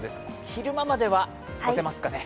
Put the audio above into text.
昼間までは干せますかね。